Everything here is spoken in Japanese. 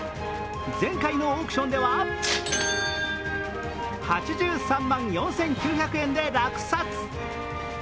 前回のオークションでは８３万４９００円で落札。